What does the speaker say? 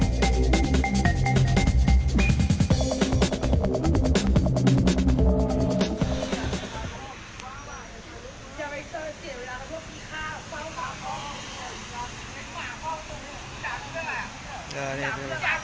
ถ้านี้ล่ะนะครับ